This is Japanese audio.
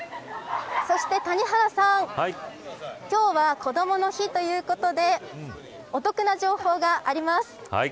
そして谷原さん今日はこどもの日ということでお得な情報があります。